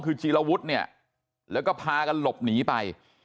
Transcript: คือจีรวุฒิเนี่ยแล้วก็พากันหลบหนีไป